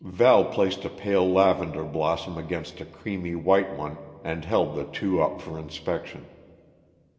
Val placed a pale lavender blossom against a creamy white one, and held the two up for inspection.